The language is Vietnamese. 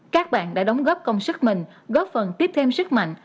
các bạn đã đóng góp công sức mình góp phần tiếp thêm sức mạnh